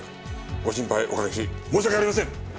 ご心配おかけし申し訳ありません。